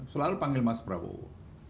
selalu panggil mas prabowo